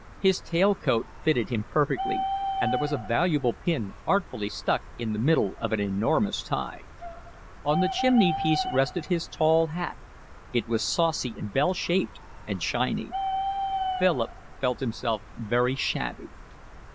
His tail coat fitted him perfectly, and there was a valuable pin artfully stuck in the middle of an enormous tie. On the chimney piece rested his tall hat; it was saucy and bell shaped and shiny. Philip felt himself very shabby.